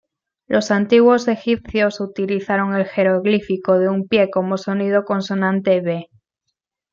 Los antiguos egipcios utilizaron el jeroglífico de un pie como sonido consonante b.